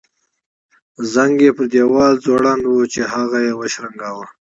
زنګ یې پر دیوال ځوړند وو چې هغه یې وشرنګاوه.